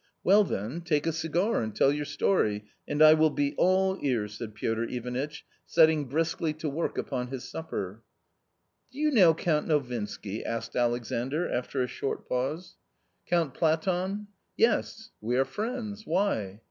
" Well, then, take a cigar and tell your story, and I will be all ears," said Piotr Ivanitch, setting briskly to work upon his supper. " Do you know C ount N ovinsky ?" asked Alexandr, after a short pause. 1 130 A COMMON STORY " Count Platon ?"" Yes." " We are friends ; why